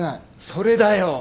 それだよ！